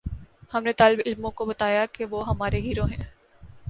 ہم نے طالب علموں کو بتایا کہ وہ ہمارے ہیرو ہیں۔